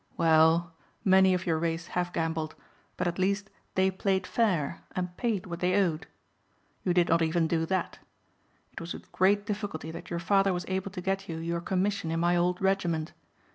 Well, many of your race have gambled, but at least they played fair and paid what they owed. You did not even do that. It was with great difficulty that your father was able to get you your commission in my old regiment.